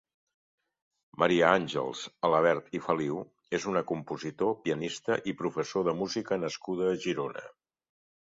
Maria Àngels Alabert i Feliu és una compositor, pianista i professor de música nascuda a Girona.